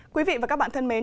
quý vị và các bạn thân mến